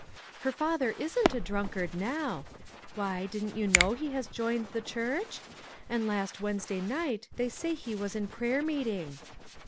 "Her father isn't a drunkard now. Why, don't you know he has joined the church ? And last Wednesday night they say he was in prayer meeting."